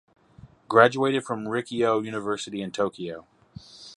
Graduated from Rikkyo University in Tokyo.